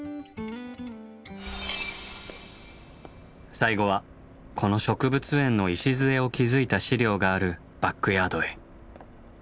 最後はこの植物園の礎を築いた資料があるバックヤードへ。